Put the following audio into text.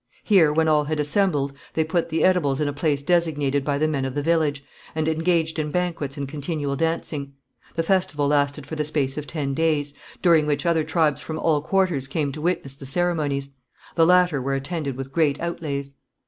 Here, when all had assembled, they put the edibles in a place designated by the men of the village, and engaged in banquets and continual dancing. The festival lasted for the space of ten days, during which other tribes from all quarters came to witness the ceremonies. The latter were attended with great outlays.